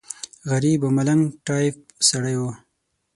غریب او ملنګ ټایف سړی و.